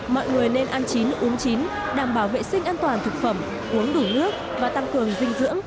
mọi người nên ăn chín uống chín đảm bảo vệ sinh an toàn thực phẩm uống đủ nước và tăng cường dinh dưỡng